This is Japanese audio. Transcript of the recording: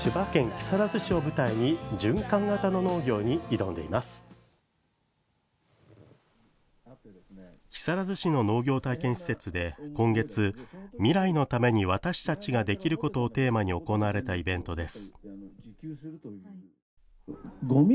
木更津市の農業体験施設で、今月「未来のために私たちができること」をテーマに行われたイベントです。